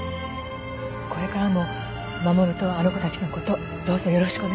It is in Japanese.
これからも護とあの子たちのことどうぞよろしくお願いします。